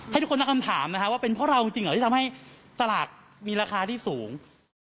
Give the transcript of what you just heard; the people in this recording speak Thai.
ที่ทำให้สลักมีราคาที่สูง